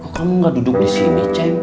kok kamu gak duduk di sini ceng